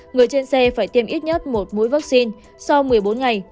người trên xe phải tiêm ít nhất một mũi vaccine sau một mươi bốn ngày